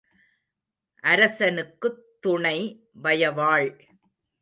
அரசனுக்குத் துணை வயவாள்.